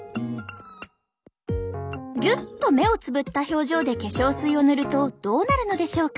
ギュッと目をつぶった表情で化粧水を塗るとどうなるのでしょうか？